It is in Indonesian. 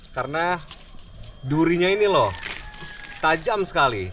karena durinya ini loh tajam sekali